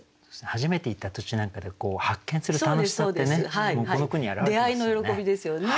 初めて行った土地なんかで発見する楽しさってねもうこの句に表れてますよね。